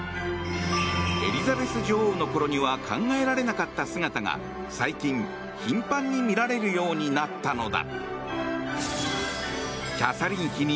エリザベス女王のころには考えられなかった姿が最近、頻繁に見られるようになったのだ。